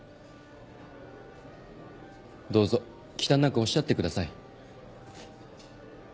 どうぞ忌憚なくおっしゃってください。